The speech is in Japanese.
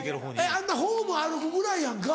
あんなホーム歩くぐらいやんか。